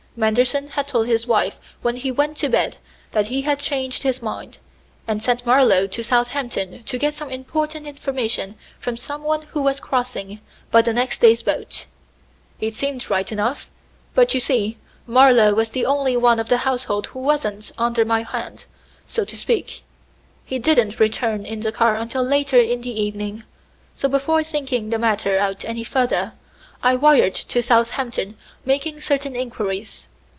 Manderson had told his wife when he went to bed that he had changed his mind, and sent Marlowe to Southampton to get some important information from someone who was crossing by the next day's boat. It seemed right enough; but you see, Marlowe was the only one of the household who wasn't under my hand, so to speak; he didn't return in the car until later in the evening; so before thinking the matter out any further, I wired to Southampton making certain inquiries.